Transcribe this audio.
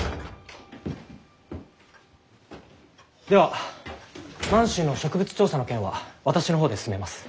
では満州の植物調査の件は私の方で進めます。